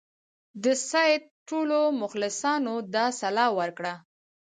د سید ټولو مخلصانو دا سلا ورکړه.